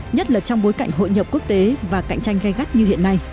nhất là trong bối cảnh hội nhập quốc tế và cạnh tranh gai gắt như hiện nay